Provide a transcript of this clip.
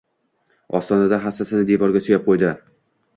Ostonada hassasini devorga suyab qo‘ydi.